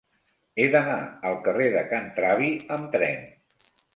He d'anar al carrer de Can Travi amb tren.